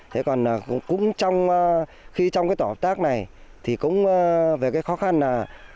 thế còn cũng trong khi trong cái tổ hợp tác này thì cũng về cái khó khăn là